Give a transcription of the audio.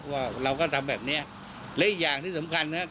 ว่าเราก็ทำแบบเนี้ยและอีกอย่างที่สำคัญนะครับ